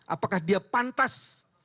apakah dia pantas